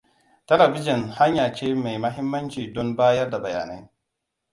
Talabijin hanya ce mai mahimmanci don bayar da bayanai.